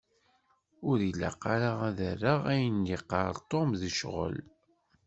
Ur y-ilaq ara ad rreɣ ayen i d-yeqqar Tom d ccɣel.